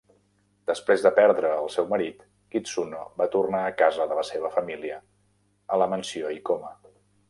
Després de perdre el seu marit, Kitsuno va tornar a casa de la seva família, a la mansió Ikoma.